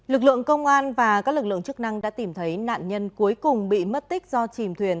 lực lượng công an và các lực lượng chức năng đã tìm thấy nạn nhân cuối cùng bị mất tích do chìm thuyền